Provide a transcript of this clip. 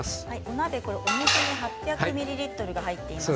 鍋には、お水８００ミリリットルが入っています。